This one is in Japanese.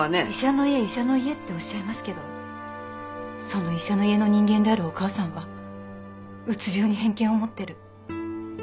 医者の家医者の家っておっしゃいますけどその医者の家の人間であるお母さんはうつ病に偏見を持ってる。